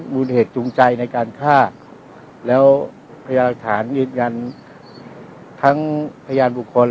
มูลเหตุจูงใจในการฆ่าแล้วพยายามหลักฐานยืนยันทั้งพยานบุคคล